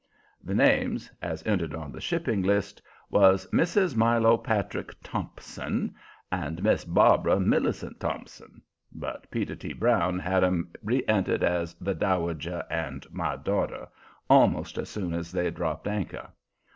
The names, as entered on the shipping list, was Mrs. Milo Patrick Thompson and Miss Barbara Millicent Thompson, but Peter T. Brown he had 'em re entered as "The Dowager" and "My Daughter" almost as soon as they dropped anchor.